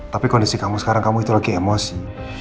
tapi kondisi kamu sekarang kamu itu lagi emosi